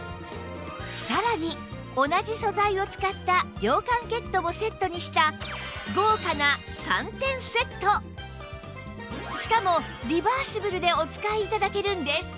さらに同じ素材を使った涼感ケットもセットにした豪華な３点セットしかもリバーシブルでお使い頂けるんです